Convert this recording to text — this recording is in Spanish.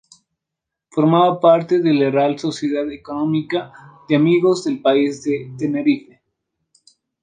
Formaba parte de la Real Sociedad Económica de Amigos del País de Tenerife.